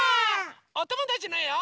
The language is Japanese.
おともだちのえを。